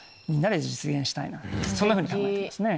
そんなふうに考えてますね。